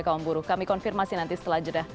kaum buruh kami konfirmasi nanti setelah jeda